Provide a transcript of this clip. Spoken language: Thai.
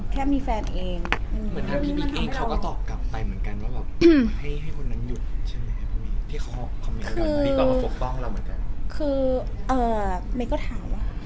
เข้ามีแฟนเอง